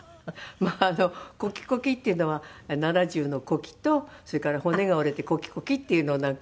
「ＫＯＫＩＫＯＫＩ」っていうのは７０の古希とそれから骨が折れてコキコキっていうのをなんか。